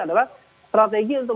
adalah strategi untuk